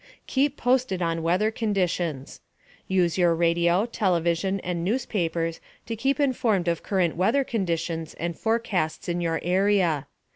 * KEEP POSTED ON WEATHER CONDITIONS. Use your radio, television and newspapers to keep informed of current weather conditions and forecasts in your area.